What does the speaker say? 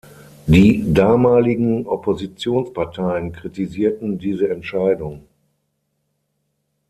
Die damaligen Oppositionsparteien kritisierten diese Entscheidung.